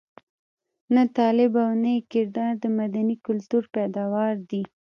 نه طالب او نه یې کردار د مدني کلتور پيداوار دي.